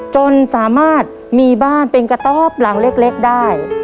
จนสามารถมีบ้านเป็นกระต๊อบหลังเล็กได้